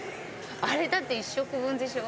あれだって１食分でしょ？